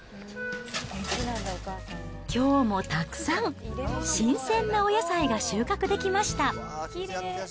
きょうもたくさん、新鮮なお野菜が収穫できました。